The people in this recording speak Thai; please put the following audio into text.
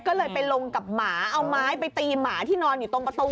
ก็เลยกลงไปตีหมาที่ตรงประตู